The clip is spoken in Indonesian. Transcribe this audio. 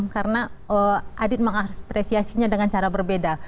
karena adit mengapresiasinya dengan cara berbeda